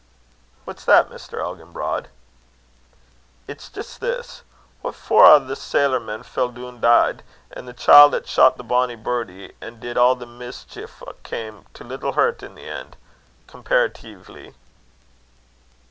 "What's that, Mr. Elginbrod?" "It's jist this what for a' thae sailor men fell doon deid, an' the chield 'at shot the bonnie burdie, an' did a' the mischeef, cam' to little hurt i' the 'en comparateevely."